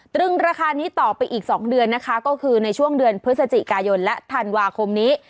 ตรึงราคานี้ต่อไปอีก๒เดือนนะคะก็คือในช่วงเดือนพฤศจิกายนและธันวาคมนี้